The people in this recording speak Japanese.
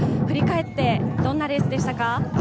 振り返ってどんなレースでしたか？